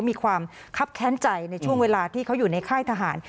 มีความคับแค้นใจในช่วงเวลาที่เขาอยู่ในค่ายทหาร